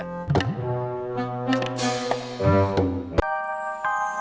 tidak ada kebanyakan yang bisa diperlukan untuk membuatnya